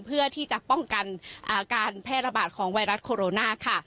เพื่อที่จะป้องกันการแพร่ระบาดของไวรัสโคโรนาค่ะ